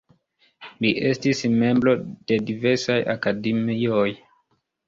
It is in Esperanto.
Li estis membro de diversaj akademioj.